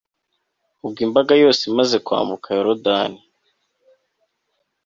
ubwo imbaga yose imaze kwambuka yorudani